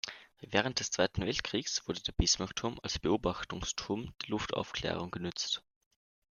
Während des Zweiten Weltkrieges wurde der Bismarck-Turm als Beobachtungsturm der Luftaufklärung genutzt.